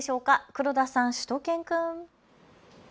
黒田さん、しゅと犬くん。